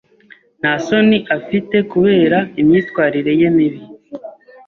Nta soni afite kubera imyitwarire ye mibi.